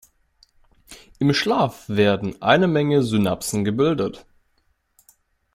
Im Schlaf werden eine Menge Synapsen gebildet.